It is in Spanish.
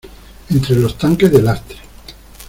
entre los tanques de lastre.